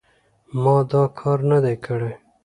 ما دا کار نه دی کړی.